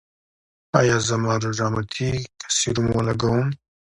ایا زما روژه ماتیږي که سیروم ولګوم؟